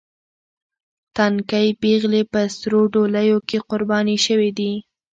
تنکۍ پېغلې په سرو ډولیو کې قرباني شوې دي.